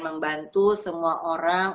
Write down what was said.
membantu semua orang